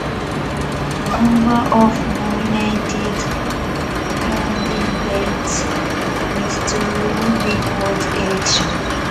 A number of nominated candidates withdrew before the election.